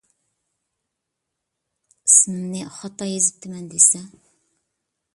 ئىسمىمنى خاتا يېزىپتىمەن دېسە.